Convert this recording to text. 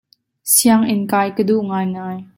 Sianginn kai ka duh ngaingai.